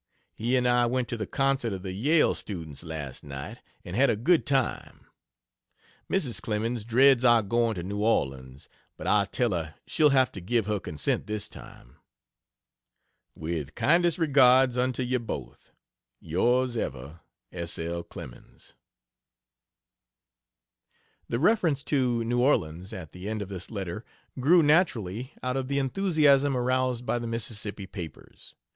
He and I went to the Concert of the Yale students last night and had a good time. Mrs. Clemens dreads our going to New Orleans, but I tell her she'll have to give her consent this time. With kindest regards unto ye both. Yrs ever, S. L. CLEMENS. The reference to New Orleans at the end of this letter grew naturally out of the enthusiasm aroused by the Mississippi papers.